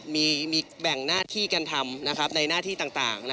มีแบ่งหน้าที่กันทำในหน้าที่ต่าง